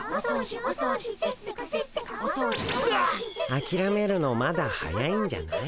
あきらめるのまだ早いんじゃない？